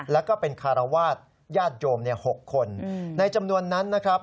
แล้วก็เป็นคารวาสญาติโยม๖คนในจำนวนนั้นนะครับ